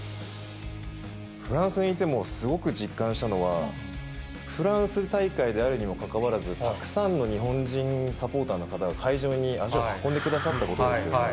フランスにいても、すごく実感したのは、フランス大会であるにもかかわらず、たくさんの日本人サポーターの方が会場に足を運んでくださったことですよね。